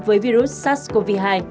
với virus sars cov hai